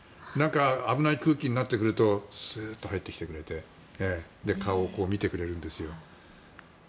危ない空気になってくるとスーッと入ってきてくれて顔を見てくれるんですよ。